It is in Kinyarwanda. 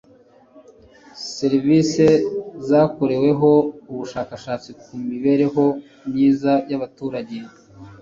serivisi zakoreweho ubushakashatsi ku mibereho myiza y' abaturage